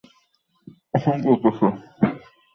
হ্যাঁ, দেখেছি।